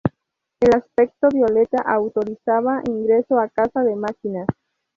El aspecto violeta autorizaba ingreso a casa de máquinas.